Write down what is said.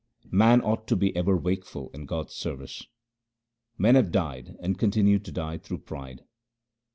Man ought to be ever wakeful in God's service :— Men have died and continue to die through pride.